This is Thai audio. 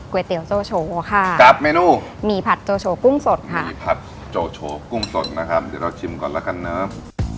เตี๋ยวโซโชค่ะกับเมนูหมี่ผัดโจโฉกุ้งสดค่ะหมี่ผัดโจโฉกุ้งสดนะครับเดี๋ยวเราชิมก่อนแล้วกันเนอะ